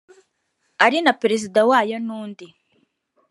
ari na we perezida wayo n undi